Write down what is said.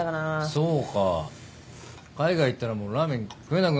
そうか海外行ったらもうラーメン食えなく